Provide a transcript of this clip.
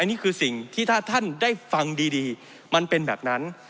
นี่คือสิ่งที่ถ้าท่านได้ฟังดีมันเป็นแบบนั้น